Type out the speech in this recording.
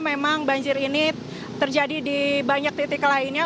memang banjir ini terjadi di banyak titik lainnya